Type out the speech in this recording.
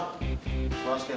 terima kasih pak